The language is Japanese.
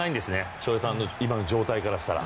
翔平さんの今の状態からしたら。